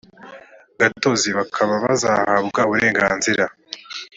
gatozi bakaba bazahabwa uburenganzira